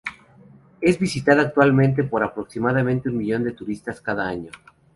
Es visitada actualmente por aproximadamente un millón de turistas cada año.